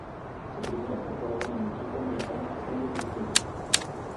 Su primera temporada en el equipo americano fue muy discreta.